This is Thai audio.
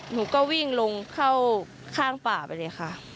หนูก็วิ่งลงเข้าข้างป่าไปเลยค่ะ